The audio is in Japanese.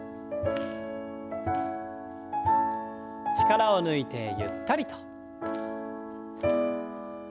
力を抜いてゆったりと。